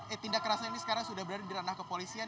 eh tindak kerasnya ini sekarang sudah berada di ranah kepolisian